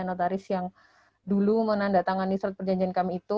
notaris yang dulu menandatangani surat perjanjian kami itu